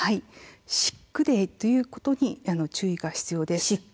シックデーということに注意が必要です。